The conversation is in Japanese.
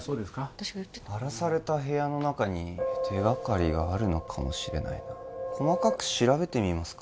私が言ってた荒らされた部屋の中に手がかりがあるのかもしれないな細かく調べてみますか